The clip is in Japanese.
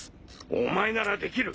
お前ならできる！